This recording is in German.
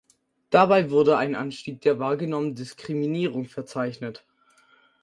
Dabei wurde ein Anstieg der wahrgenommenen Diskriminierung verzeichnet.